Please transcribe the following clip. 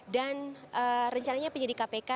dan rencananya penyidik kpk